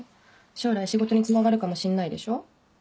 将来仕事につながるかもしんないでしょ？